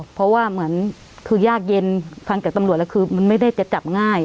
เพราะว่าเหมือนคือยากเย็นฟังจากตำรวจแล้วคือมันไม่ได้จะจับง่าย